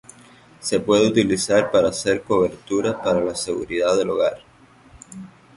Se puede utilizar para hacer coberturas para la seguridad del hogar.